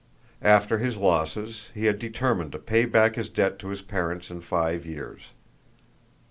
After his losses, he had determined to pay back his debt to his parents in five years.